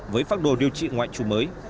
với pháp đồ điều trị ngoại trù mới